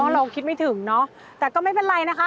เราคิดไม่ถึงเนาะแต่ก็ไม่เป็นไรนะคะ